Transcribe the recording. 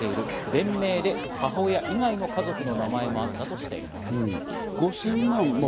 連名で母親以外の家族の名前もあったとしています。